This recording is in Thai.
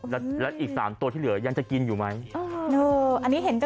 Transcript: แล้วอีก๓ตัวที่เหลือยังจะกินอยู่ไหม